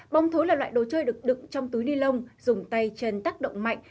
bóng thối là loại đồ chơi được đựng trong túi ni lông dùng tay chân tác động mạnh